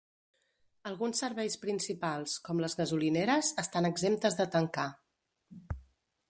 Alguns serveis principals, com les gasolineres, estan exemptes de tancar.